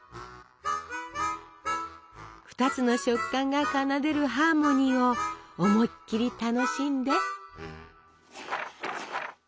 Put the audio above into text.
２つの食感が奏でるハーモニーを思いっきり楽しんで。